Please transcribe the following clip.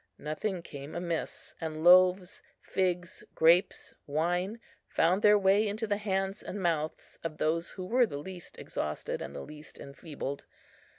Nothing came amiss; and loaves, figs, grapes, wine, found their way into the hands and mouths of those who were the least exhausted and the least enfeebled.